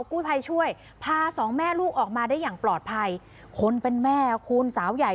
กู้ภัยช่วยพาสองแม่ลูกออกมาได้อย่างปลอดภัยคนเป็นแม่คุณสาวใหญ่